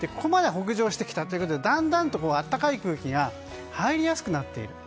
ここまで北上してきてだんだんと暖かい空気が入りやすくなっている。